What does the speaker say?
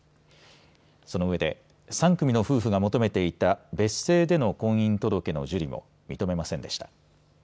そのうえで３組の夫婦が求めていた別姓での婚姻届の受理も認めませんでした。